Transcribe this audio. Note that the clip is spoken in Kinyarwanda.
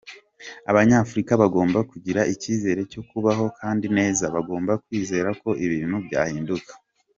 Abanyafurika bagomba kugira icyizere cyo kubaho kandi neza, bagomba kwizera ko ibintu byahinduka.